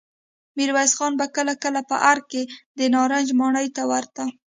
ميرويس خان به کله کله په ارګ کې د نارنج ماڼۍ ته ورته.